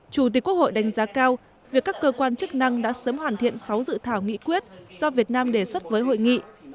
chủ tịch quốc hội đánh giá cao việc các cơ quan chức năng đã sớm hoàn thiện sáu dự thảo nghị quyết do việt nam đề xuất với hội nghị